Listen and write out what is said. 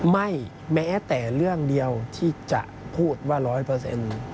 แม้แต่เรื่องเดียวที่จะพูดว่าร้อยเปอร์เซ็นต์